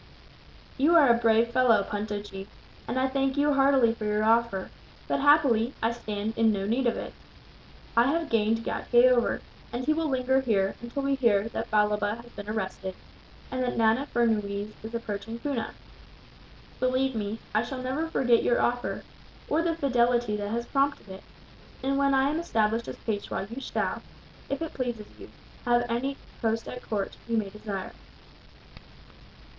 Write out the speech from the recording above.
"You are a brave fellow, Puntojee, and I thank you heartily for your offer; but, happily, I stand in no need of it. I have gained Ghatgay over, and he will linger here until we hear that Balloba has been arrested, and that Nana Furnuwees is approaching Poona. Believe me, I shall never forget your offer, or the fidelity that has prompted it; and when I am established as Peishwa you shall, if it pleases you, have any post at court you may desire."